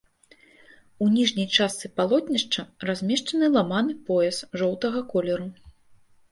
У ніжняй частцы палотнішча размешчаны ламаны пояс жоўтага колеру.